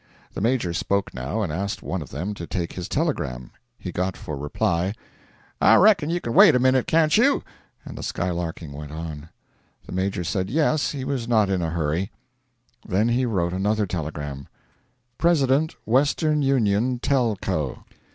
The Major spoke now, and asked one of them to take his telegram. He got for reply: 'I reckon you can wait a minute, can't you?' And the skylarking went on. The Major said yes, he was not in a hurry. Then he wrote another telegram: 'President Western Union Tel. Co.